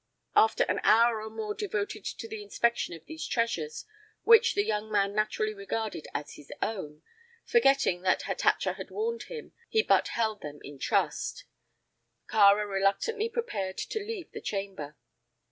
After an hour or more devoted to the inspection of these treasures, which the young man naturally regarded as his own, forgetting that Hatatcha had warned him he but held them in trust, Kāra reluctantly prepared to leave the chamber.